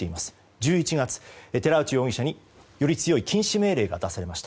１１月、寺内容疑者に、より強い禁止命令が出されました。